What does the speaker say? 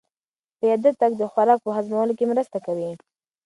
پیاده تګ د خوراک په هضمولو کې مرسته کوي.